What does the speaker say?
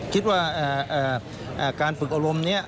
คิดว่าการปฏิบัติอารมณ์นี้